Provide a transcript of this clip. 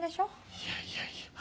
いやいやいや。